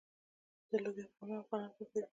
د لوبیا قورمه افغانان خوښوي.